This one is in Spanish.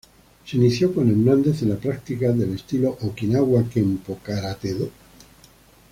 Se inició con Hernández en la práctica del estilo Okinawa Kempo Karate-do.